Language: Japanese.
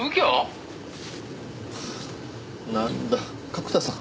なんだ角田さん。